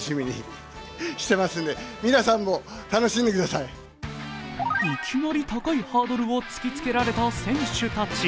いきなり高いハードルを突きつけられた選手たち。